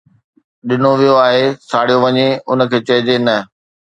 ڏنو ويو آهي، ساڙيو وڃي، ان کي چئجي ”نه“.